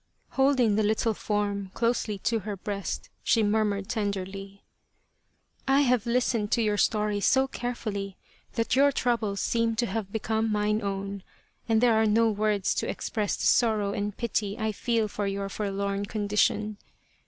23 The Quest of the Sword Holding the little form closely to her breast she murmured tenderly :" I have listened to your story so carefully that your troubles seem to have become mine own, and there are no words to express the sorrow and pity I feel for your forlorn condition.